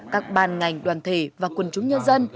các bàn ngành đoàn thể và quân chúng nhân dân